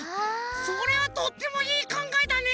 それはとってもいいかんがえだね！